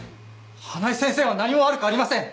花井先生は何も悪くありません！